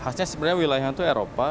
khasnya sebenarnya wilayahnya itu eropa